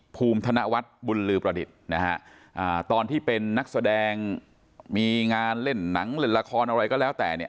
ภูมิธนวัฒน์บุญลือประดิษฐ์นะฮะตอนที่เป็นนักแสดงมีงานเล่นหนังเล่นละครอะไรก็แล้วแต่เนี่ย